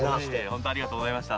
本当ありがとうございました。